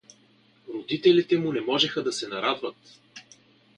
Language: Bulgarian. Родителите му не можеха да се нарадват.